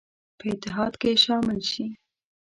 په اتحاد کې شامل شي.